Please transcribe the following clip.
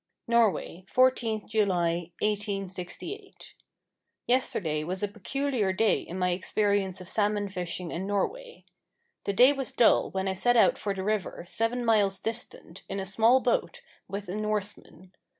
Norway, 14th July, 1868. Yesterday was a peculiar day in my experience of salmon fishing in Norway. The day was dull when I set out for the river, seven miles distant, in a small boat, with a Norseman.